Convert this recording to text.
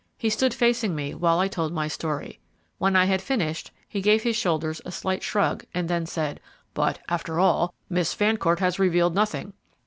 He stood facing me while I told my story. When I had finished he gave his shoulders a slight shrug, and then said: "But, after all, Miss Fancourt has revealed nothing."